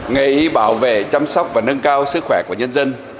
nghề bảo vệ chăm sóc và nâng cao sức khỏe của nhân dân